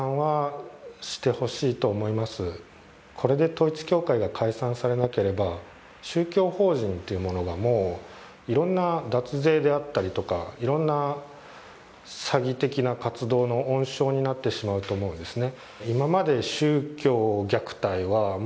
これで統一教会が解散されなければ宗教法人というものがもういろんな脱税であったりとかいろんな詐欺的な活動の温床になってしまうと思うんですね。